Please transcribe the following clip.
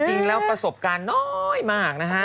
จริงแล้วประสบการณ์น้อยมากนะฮะ